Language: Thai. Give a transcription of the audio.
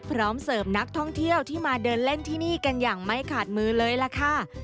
เสริมนักท่องเที่ยวที่มาเดินเล่นที่นี่กันอย่างไม่ขาดมือเลยล่ะค่ะ